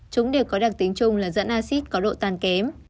chúng đều có đặc tính chung là dẫn axit có độ tan kém